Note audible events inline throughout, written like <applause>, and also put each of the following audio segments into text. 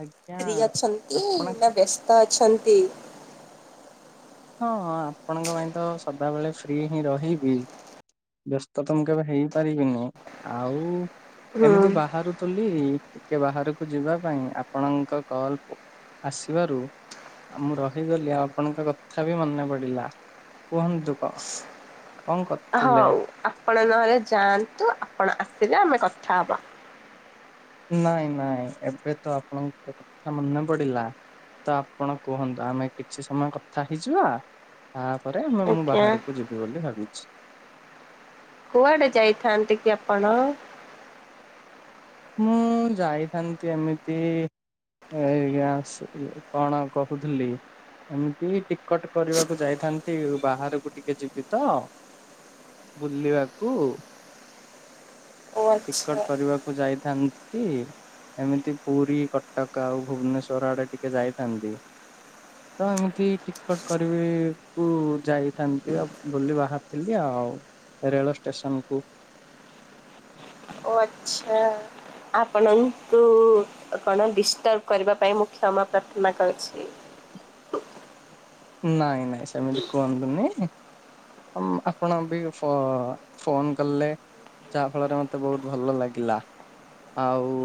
ଆଜ୍ଞା। ଅଛନ୍ତି ଆପଣ ନାଁ ବ୍ୟସ୍ତ ଅଛନ୍ତି? ହଁ ଆପଣଙ୍କ ପାଇଁ ତ, ସଦାବେଳେ ଫ୍ରି ହିଁ ରହିବି। ବ୍ୟସ୍ତ ତ ମୁଁ କେବେ ହେଇପାରିବିନି। ଆଉ ହୁଁ ଏମିତି ବାହାରୁ ତୁଲି ଟିକେ ବାହାରୁକୁ ଯିବା ପାଇଁ ଆପଣଙ୍କ କଲ ଆସିବାରୁ ଆ ମୁଁ ରହିଗଲି ଆଉ ଆପଣଙ୍କ କ ଥା ବି ମନେ ପଡ଼ିଲା। କୁହନ୍ତୁ କ କଁ କରୁଥୁଲେ? ହଉ ଆପଣ ନହେଲେ ଯାଆନ୍ତୁ। ଆପଣ ଆସିଲେ ଆମେ କଥା ହବା। ନାଇଁ, ନାଇଁ। ଏବେ ତ ଆପଣଙ୍କ କଥା ମନେ ପୁଡିଲା। ତ ଆପଣ କୁହନ୍ତୁ। ଆମେ କିଛି ସମୟ କଥା ହେଇଯିବା। ତାପରେ ଆମେ ମୁଁ ଆଜ୍ଞା ବାହାରୁକୁ ଯିବି ବୋଲି ଭାବିଛି। କୁଆଡ଼େ ଯାଇଥାନ୍ତି କି ଆପଣ? ମୁଁ ଯାଇଥାନ୍ତି ଏମିତି ଏ ଏଇଗାଁ ଆସିକି କଣ କହୁଥୁଲି ଏମିତି ଟିକଟ କରିବାକୁ ଯାଇଥାନ୍ତି ବାହାରୁକୁ ଟିକେ ଯିବି ତ। ବୁଲିବାକୁ। ଓ ଆଚ୍ଛା ଟିକଟ କରିବା କୁ ଯାଇଥାନ୍ତି। ଏମିତି ପୁରୀ, କଟକ ଆଉ ଭୁବନେଶ୍ୱର ଆଡ଼େ ଟିକେ ଯାଇଥାନ୍ତି। <inaudible> ତ ଏମିତି ଟିକଟ କରିବିକୁ ଯାଇଥାନ୍ତି ଆଉ ବୋଲି ବାହାରିଥିଲି ଆଉ। ରେଳ ଷ୍ଟେସନକୁ। ଓ ଆଚ୍ଛା। ଆପଣଙ୍କୁୁ କଣ ଡିଷ୍ଟର୍ବ କରିବା ପାଇଁ ମୁଁ କ୍ଷମା ପ୍ରାର୍ଥନା କରୁଛି। ନାଇଁ ନାଇଁ ସେମିତି କୁହନ୍ତୁନି। ଅମ୍ ଆପଣ ବି ଫୋ ଫୋନ୍ କଲେ। ଯାହା ଫଳରେ ମତେ ବହୁତ ଭଲ ଲାଗିଲା। ଆଉ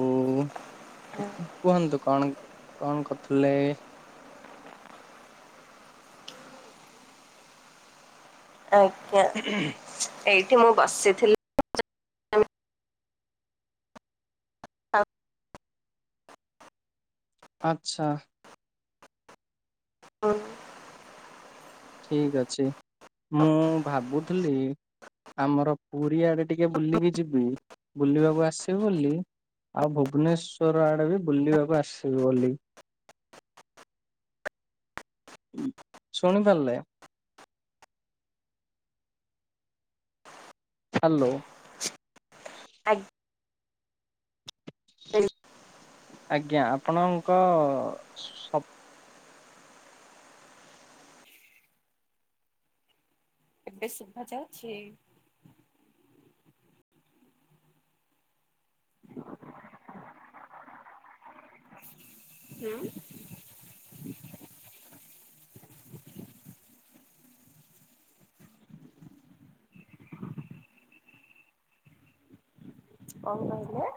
କୁହନ୍ତୁ କଣ କଣ କରୁଥିଲେ? ଆଜ୍ଞା। <inaudible> ଏଇଠି ମୁଁ ବସିଥିଲ୍ ଆଜ୍ଞା। ଆଚ୍ଛା। ଠିକ ଅଛି ମୁଁ ଭାବୁଥିଲି ଆମର ପୁରୀ ଆଡେ ଟିକେ ବୁଲିକି ଯିବି ବୁଲିବାକୁ ଆସିବୁ ବୋଲି। ଆଉ ଭୁବନେଶ୍ଵର ଆଡେ ବି, ବୁଲିବାକୁ ଆସିବୁ ବୋଲି। ଉଁ ଶୁଣିପାରିଲେ। ହାଲୋ। ଆଗ୍ ଆଜ୍ଞା ଆପଣଙ୍କ ସ ଏବେ ଶୁଭା ଯାଉଛି। ହୁଁ। କଣ କହିଲେ?